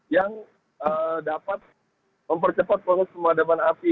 yang dapat mempercepat proses pemadaman api